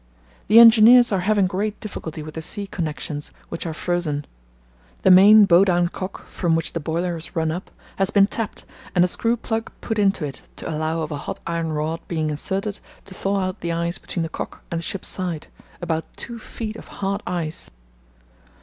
The engineers are having great difficulty with the sea connexions, which are frozen. The main bow down cock, from which the boiler is 'run up,' has been tapped and a screw plug put into it to allow of a hot iron rod being inserted to thaw out the ice between the cock and the ship's side—about two feet of hard ice.